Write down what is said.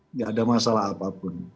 nggak ada masalah apapun